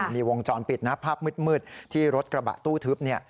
มีวงจรปิดนะภาพมืดที่รถกระบะตู้ทึบเนี่ย